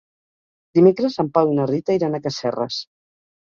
Dimecres en Pau i na Rita iran a Casserres.